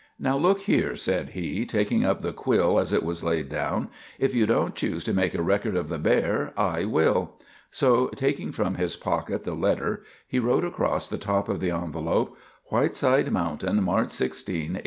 "Now look here," said he, taking up the quill as it was laid down; "if you don't choose to make a record of the bear, I will." So taking from his pocket the letter, he wrote across the top of the envelop: "WHITESIDE MOUNTAIN, March 16, 1865.